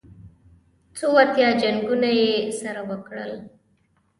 څو اتیا جنګونه یې سره وکړل.